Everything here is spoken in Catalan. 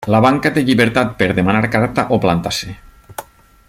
La banca té llibertat per demanar carta o plantar-se.